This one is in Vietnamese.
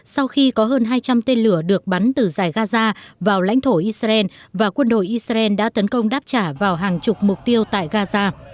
sau khi có hơn hai trăm linh tên lửa